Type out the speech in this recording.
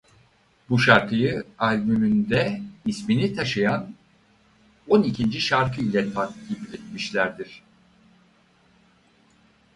Bu şarkıyı albümünde ismini taşıyan on ikinci şarkı ile takip etmişlerdir.